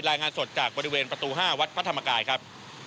รายงานสดจากบริเวณประตู๕วัดพระธรรมกายครับ